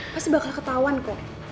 pasti bakal ketahuan kok